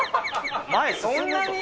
前そんなに？